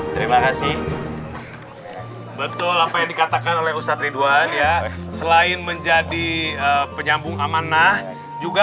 terima kasih betul apa yang dikatakan oleh ustadz ridwan ya selain menjadi penyambung amanah juga